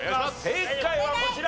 正解はこちら。